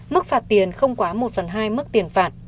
mức phạt tiền không quá một phần hai mức tiền phạt